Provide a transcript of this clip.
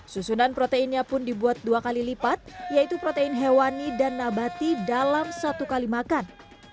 susunan proteinnya pun dibuat dua kali lipat yaitu protein hewani dan nabati dalam satu kali makan